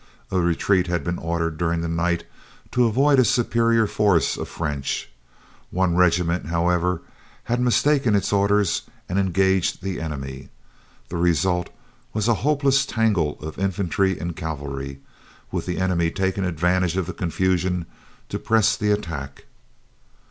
A retreat had been ordered during the night, to avoid a superior force of French. One regiment, however, had mistaken its orders and engaged the enemy. The result was a hopeless tangle of infantry and cavalry, with the enemy taking advantage of the confusion to press the attack.